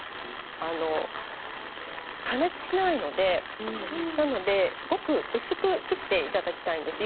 加熱しないのでごく薄く切っていただきたいんです。